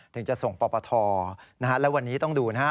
ถึงจะส่งปปทนะฮะแล้ววันนี้ต้องดูนะฮะ